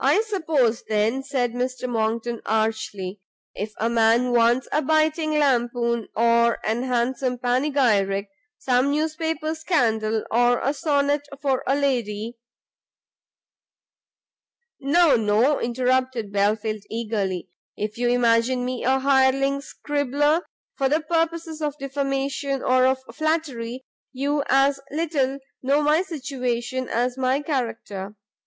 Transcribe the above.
"I suppose then," said Monckton, archly, "if a man wants a biting lampoon, or an handsome panegyric, some newspaper scandal, or a sonnet for a lady " "No, no," interrupted Belfield eagerly, "if you imagine me a hireling scribbler for the purposes of defamation or of flattery, you as little know my situation as my character.